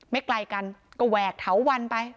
ไกลกันก็แหวกเถาวันไป